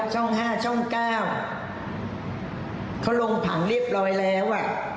ช่อง๕ช่อง๙เขาลงผังเรียบร้อยแล้ว